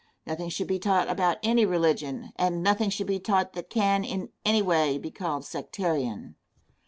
Nothing should be taught about any religion, and nothing should be taught that can, in any way, be called sectarian.